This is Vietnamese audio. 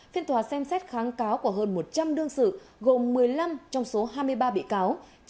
phiên tòa xem xét kháng cáo của hơn một trăm linh đương sự gồm một mươi năm trong số hai mươi ba bị cáo